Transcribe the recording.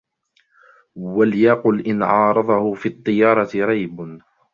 وَلْيَقُلْ إنْ عَارَضَهُ فِي الطِّيَرَةِ رَيْبٌ